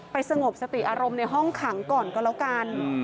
สงบสติอารมณ์ในห้องขังก่อนก็แล้วกัน